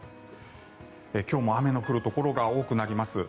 今日も雨の降るところが多くなります。